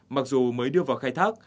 mặc dù mới đưa vào khai thác